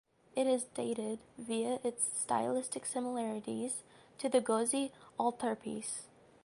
It is dated via its stylistic similarities to the Gozzi Altarpiece.